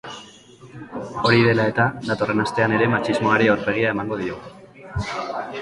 Hori dela eta, datorren astean ere matxismoari aurpegia emango diogu.